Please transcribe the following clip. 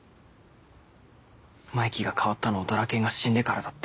マイキーが変わったのはドラケンが死んでからだって。